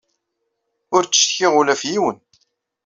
Ur ttcetkiɣ ula ɣef yiwen.